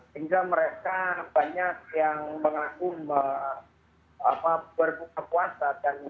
sehingga mereka banyak yang mengaku berbuka puasa dan sahur dengan manusia adanya yang mereka dapatkan sendiri